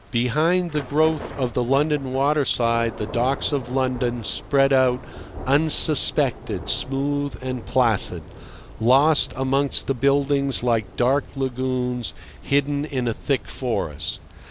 Behind the growth of the London waterside the docks of London spread out unsuspected, smooth, and placid, lost amongst the buildings like dark lagoons hidden in a thick forest.